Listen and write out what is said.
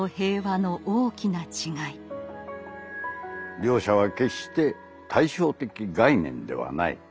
「両者は決して対称的概念ではない。